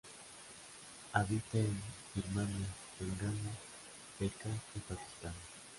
Habita en Birmania, Bengala, Deccan y Pakistán.